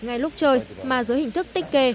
ngay lúc chơi mà giữa hình thức tích kê